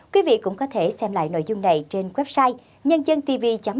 quý vị cũng có thể xem lại nội dung này trên website nhândântv vn